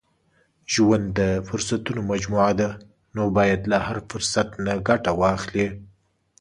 • ژوند د فرصتونو مجموعه ده، نو باید له هر فرصت نه ګټه واخلې.